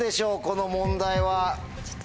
この問題は。